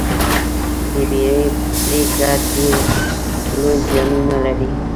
د بیړې پرېکړه ډېر لوی زیانونه لري.